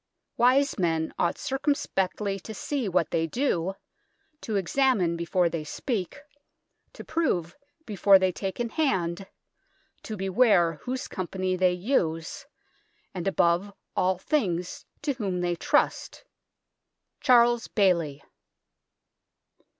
Wise men ought circum spectly to se what they do, to examen before they speake, to prove before they take in hand, to beware whose companey they use, and abouve all things to whom they truste. H2 THE TOWER OF LONDON Charles Bailly."